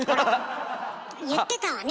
言ってたわね